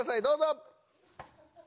どうぞ。